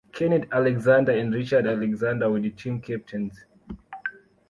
Kenneth Alexander and Richard Alexander were the team captains.